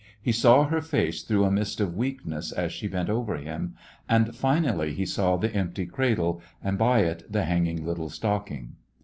He saw her face through a mist of weakness as she bent over him. And finally he saw the empty cradle, and by it the hanging little stocking.